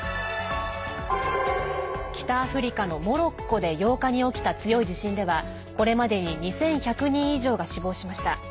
北アフリカのモロッコで８日に起きた強い地震ではこれまでに２１００人以上が死亡しました。